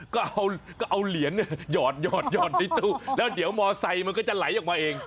ก็เอาเหรียญหยอดในตู้แล้วเดี๋ยวมอไซค์มันก็จะไหลออกมาเอง